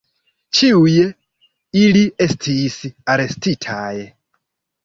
Ĉiuj ili estis arestitaj.